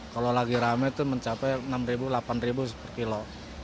kalau lagi rame itu mencapai rp enam delapan per kilo